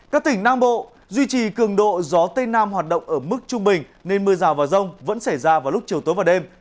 các tỉnh nam bộ duy trì cường độ gió tây nam hoạt động ở mức trung bình nên mưa rào và rông vẫn xảy ra vào lúc chiều tối và đêm